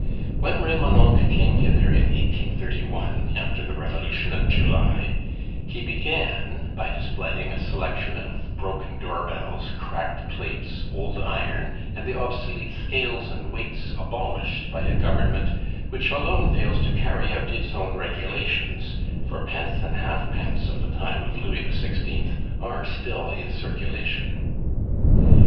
When Remonencq came hither in 1831, after the Revolution of July, he began by displaying a selection of broken doorbells, cracked plates, old iron, and the obsolete scales and weights abolished by a Government which alone fails to carry out its own regulations, for pence and half pence of the time of Louis XVI. are still in circulation.